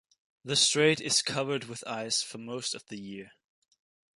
The strait is covered with ice for the most of the year.